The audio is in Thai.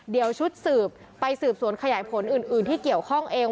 เดี๋ยวชุดสืบไปสืบสวนขยายผลอื่นที่เกี่ยวข้องเอง